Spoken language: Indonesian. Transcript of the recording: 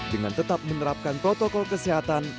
dengan tetap menerapkan protokol kesehatan